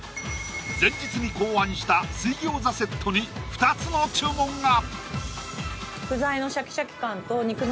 前日に考案した水餃子セットに２つの注文が！